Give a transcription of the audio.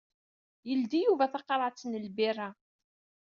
Yeldi Yuba taqerɛet n lbirra.